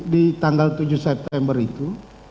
di tanggal tujuh september itu